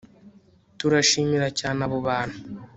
Turashimira cyane abo bantu